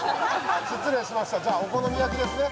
失礼しましたじゃあお好み焼きですね